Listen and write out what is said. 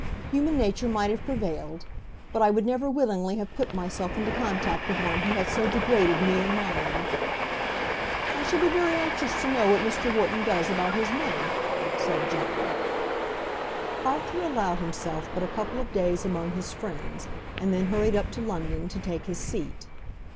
Human nature might have prevailed. But I would never willingly have put myself into contact with one who had so degraded me and mine." "I shall be very anxious to know what Mr. Wharton does about his money," said John. Arthur allowed himself but a couple of days among his friends, and then hurried up to London to take his seat.